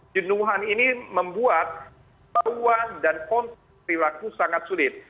jenuhan ini membuat perubahan dan kontrol perilaku sangat sulit